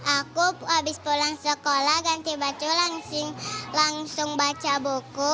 aku abis pulang sekolah ganti baca langsung baca buku